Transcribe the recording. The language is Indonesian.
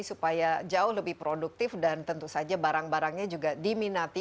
supaya jauh lebih produktif dan tentu saja barang barangnya juga diminati